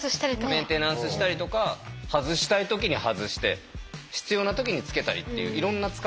メンテナンスしたりとか外したい時に外して必要な時につけたりっていういろんな使い分けがありましたよね。